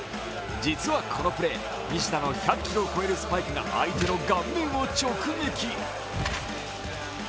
実はこのプレー、西田の１００キロを超えるスパイクが相手の顔面を直撃。